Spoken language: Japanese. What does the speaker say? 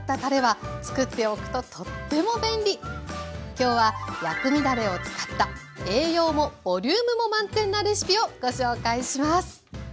今日は薬味だれを使った栄養もボリュームも満点なレシピをご紹介します。